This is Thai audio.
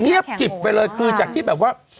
จิบไปเลยคือจากที่แบบว่า